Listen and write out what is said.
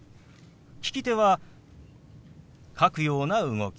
利き手は書くような動き。